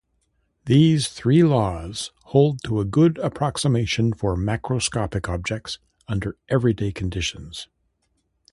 These three laws hold to a good approximation for macroscopic objects under everyday conditions.